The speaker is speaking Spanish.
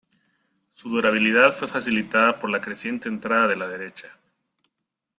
Su durabilidad fue facilitada por la creciente entrada de la derecha.